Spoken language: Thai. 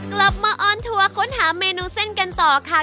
กลับมาออนทัวร์ค้นหาเมนูเส้นกันต่อค่ะ